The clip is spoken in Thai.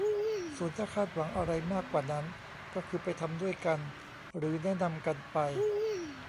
ส่วนถ้าคาดหวังอะไรมากกว่านั้นก็คือไปทำด้วยกันหรือแนะนำกันไป